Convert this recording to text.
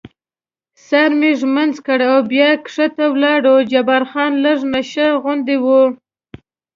سر مې ږمنځ کړ او بیا کښته ولاړو، جبار خان لږ نشه غوندې و.